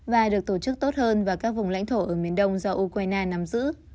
và được tổ chức tốt hơn vào các vùng lãnh thổ ở miền đông do ukraine nắm giữ